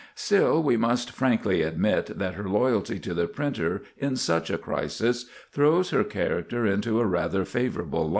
'" Still we must frankly admit that her loyalty to the printer in such a crisis throws her character into a rather favorable light.